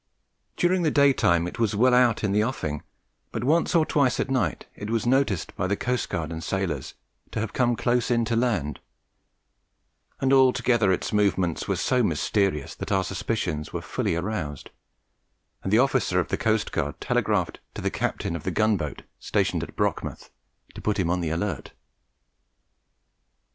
During the day time it was well out in the offing, but once or twice at night it was noticed by the coastguard and sailors to have come close in to land, and altogether its movements were so mysterious that our suspicions were fully aroused, and the officer of the coastguard telegraphed to the captain of the gunboat stationed at Brockmouth to put him on the alert.